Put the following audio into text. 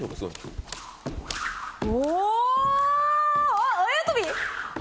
あっあやとび？